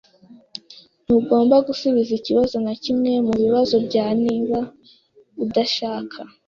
Ntugomba gusubiza ikibazo na kimwe mubibazo bya niba udashaka.